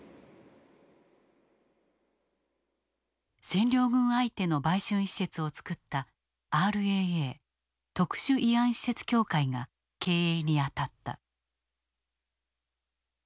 占領軍相手の売春施設を作ったＲＡＡ特殊慰安施設協会が経営に当たった。